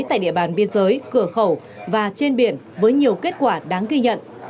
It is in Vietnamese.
tại địa bàn biên giới cửa khẩu và trên biển với nhiều kết quả đáng ghi nhận